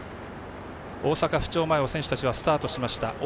大阪府庁前を選手たちはスタートしました。